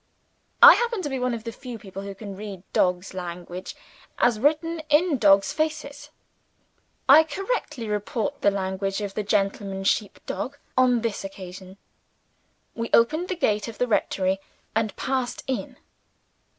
I happen to be one of the few people who can read dogs' language as written in dogs' faces. I correctly report the language of the gentleman sheep dog on this occasion. We opened the gate of the rectory, and passed in.